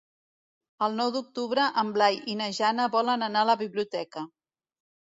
El nou d'octubre en Blai i na Jana volen anar a la biblioteca.